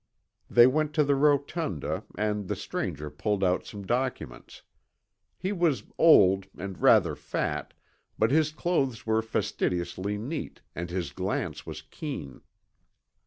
They went to the rotunda and the stranger pulled out some documents. He was old and rather fat, but his clothes were fastidiously neat and his glance was keen.